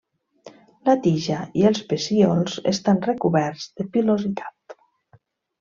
La tija i els pecíols estan recoberts de pilositat.